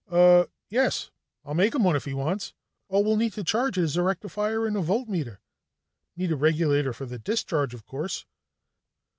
"Uh.... Yes. I'll make him one if he wants. All we'll need to charge it is a rectifier and a volt meter. Need a regulator for the discharge, of course."